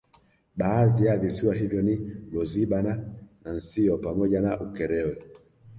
Baadhi ya visiwa hivyo ni Goziba na Nansio pamoja na Ukerewe